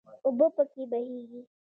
اوبه پکې بهیږي.